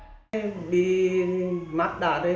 nhiều người không ngại nguy hiểm